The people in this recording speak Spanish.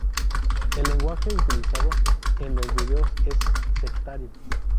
El lenguaje utilizado en los videos es sectario.